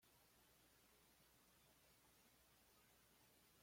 John's, Antigua y Barbuda